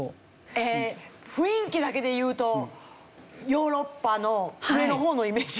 ええ雰囲気だけで言うとヨーロッパの上の方のイメージが。